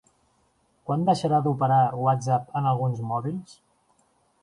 Quan deixarà d'operar WhatsApp en alguns mòbils?